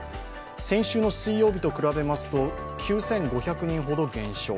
先週の水曜日と比べますと９５００人ほど減少。